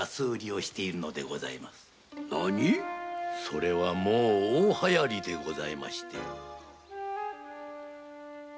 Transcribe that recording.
それはもう大はやりでございまして。